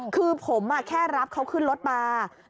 คือผมแค่รับเขาขึ้นรถมา